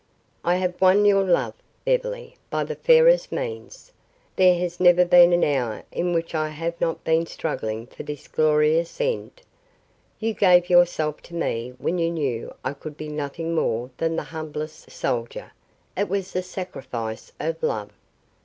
"I have won your love, Beverly, by the fairest means. There has never been an hour in which I have not been struggling for this glorious end. You gave yourself to me when you knew I could be nothing more than the humblest soldier. It was the sacrifice of love.